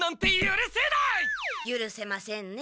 ゆるせませんね。